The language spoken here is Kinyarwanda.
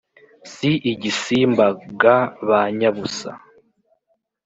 Si igisimba ga ba nyabusa!